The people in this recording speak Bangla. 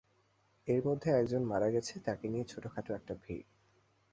এর মধ্যে এক জন মারা গেছে, তাকে ঘিরে ছোটখাট একটা ভিড়।